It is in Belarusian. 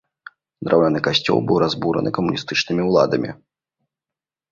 Драўляны касцёл быў разбураны камуністычнымі ўладамі.